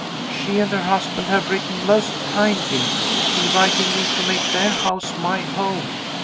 "She and her husband have written most kindly, inviting me to make their house my home.